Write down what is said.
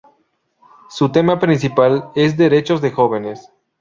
Su tema principal es "derechos de jóvenes".